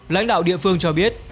lãnh đạo địa phương cho biết